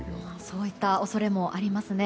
そういった恐れもありますね。